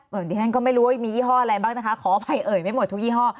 ดิฉันก็ไม่รู้ว่ามียี่ห้ออะไรบ้างนะคะขออภัยเอ่ยไม่หมดทุกยี่ห้อ